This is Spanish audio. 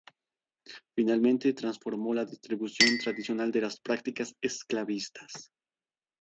Finalmente transformó la distribución tradicional de las prácticas esclavistas.